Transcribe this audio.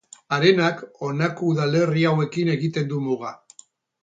Arenak honako udalerri hauekin egiten du muga.